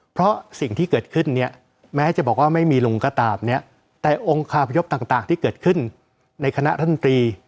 เพราะสิ่งที่เกิดขึ้นเนี่ยแม้จะบอกว่าไม่มีลุงก็ตามเนี่ยแต่องค์คาพยพต่างที่เกิดขึ้นในคณะรัฐมนตรี